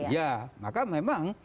ya maka memang